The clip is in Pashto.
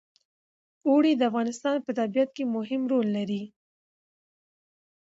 اوړي د افغانستان په طبیعت کې مهم رول لري.